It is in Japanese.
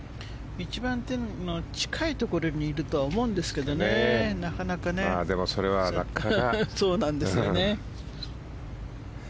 近いところにいると思うんですけどね、なかなかね。